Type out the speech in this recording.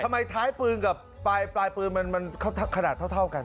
ทำไมเท้าปืนกับปลายปืนขนาดเท่ากัน